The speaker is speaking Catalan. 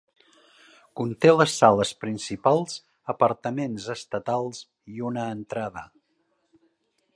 Conté les sales principals, apartaments estatals i una entrada.